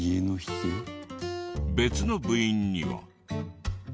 別の部員には。